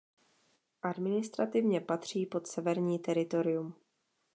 Administrativně patří pod Severní teritorium.